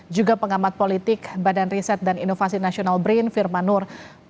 juga pengamat politik badan riset dan inovasi nasional brin firmanur